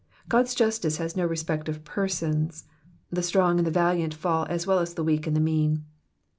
God's justice has nu respect of persons, the strong and the valiant fall as well as the weak and the mean.